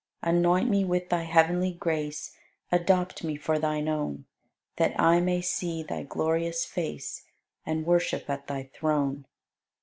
Anoint me with Thy heavenly grace, Adopt me for Thine own, That I may see Thy glorious face And worship at Thy throne.